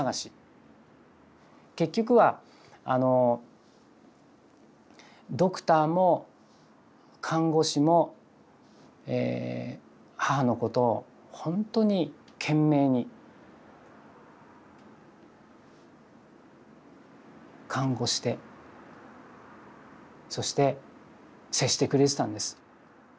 結局はドクターも看護師も母のことをほんとに懸命に看護してそして接してくれてたんです。